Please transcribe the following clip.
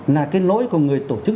là cái nỗi của người tổ chức